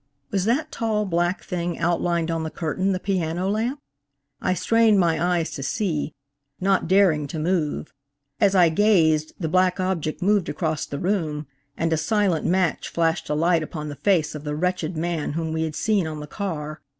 Was that tall, black thing outlined on the curtain the piano lamp? I strained my eyes to see, not daring to move. As I gazed, the black object moved across the room, and a silent match flashed a light upon the face of the wretched man whom we had seen on the car.